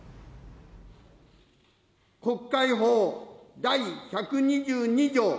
国会法第１２２条